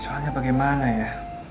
soalnya bagaimana ya